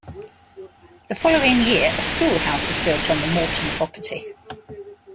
The following year a schoolhouse was built on the Morton property.